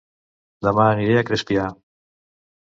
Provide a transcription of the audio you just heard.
Dema aniré a Crespià